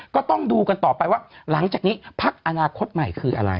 ก็ต้องดูกันต่อไปว่าหลังจากนี้พักอนาคตใหม่คืออะไร